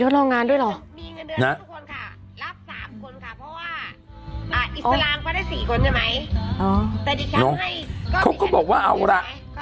น้องเขาก็บอกว่าเอาล่ะ